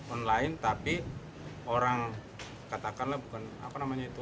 online tapi orang katakanlah bukan apa namanya itu